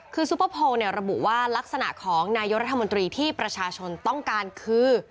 คือซุปเปอร์โพลระบุว่าลักษณะของนายกรัฐมนตรีที่ประชาชนต้องการคือ